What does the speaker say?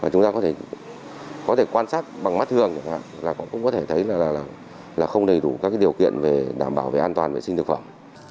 chúng ta có thể quan sát bằng mắt thường cũng có thể thấy là không đầy đủ các điều kiện đảm bảo về an toàn vệ sinh thực phẩm